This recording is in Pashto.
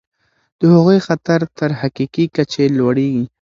د هغوی خطر تر حقیقي کچې لوړیږي.